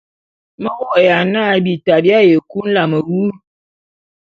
Me vô'ôya na bita bi aye kui nlame wu.